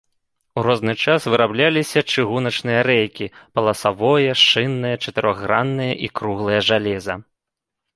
У розны час вырабляліся чыгуначныя рэйкі, паласавое, шыннае, чатырохграннае і круглае жалеза.